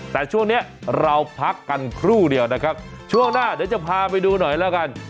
แต่ช่วงนี้เราพักกันครู่เดียวนะครับช่วงหน้าเดี๋ยวจะพาไปดูหน่อยแล้วกัน